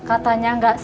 emangnya kenapa bu ratel